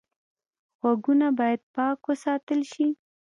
غوږونه باید پاک وساتل شي